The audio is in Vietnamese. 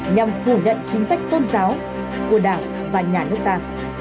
nhằm phủ nhận chính sách tôn giáo của đảng và nhà nước ta